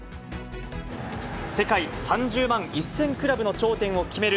世界３０万１０００クラブの頂点を決める